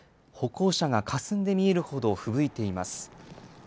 歩行者がかすんで見えるほどふぶいています。